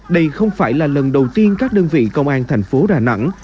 đây không phải là lần đầu tiên các đơn vị công an thành phố đà nẵng